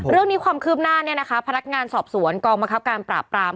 เรื่องนี้ความคืบหน้าเนี่ยนะคะพนักงานสอบสวนกองบังคับการปราบปราม